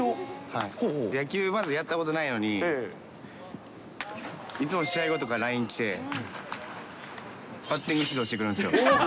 野球まずやったことないのに、いつも試合後とかＬＩＮＥ来て、バッティング指導してくるんですよ。